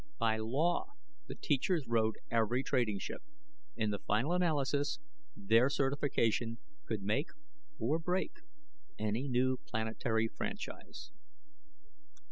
By law, the teachers rode every trading ship; in the final analysis, their certification could make or break any new planetary franchise.